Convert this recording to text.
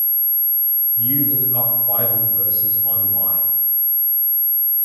You look up bible verses online